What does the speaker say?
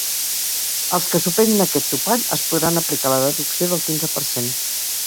Els que superin aquest topall es podran aplicar la deducció del quinze per cent.